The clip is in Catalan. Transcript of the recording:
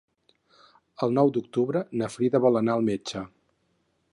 El nou d'octubre na Frida vol anar al metge.